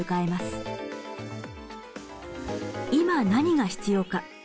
今何が必要か。